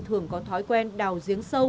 thường có thói quen đào giếng sâu